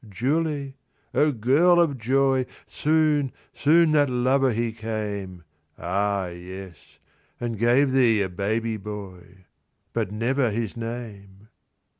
Julie, O girl of joy, Soon, soon that lover he came. Ah, yes; and gave thee a baby boy, But never his name